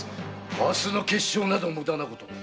明日の決勝などムダなこと。